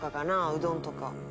うどんとか」